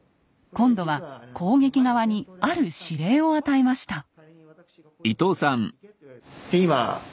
今度は攻撃側にある指令を与えました。